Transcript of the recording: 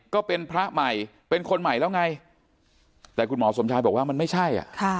ก็เป็นพระใหม่เป็นคนใหม่แล้วไงแต่คุณหมอสมชายบอกว่ามันไม่ใช่อ่ะ